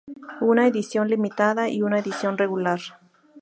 Una edición limitada y una edición regular.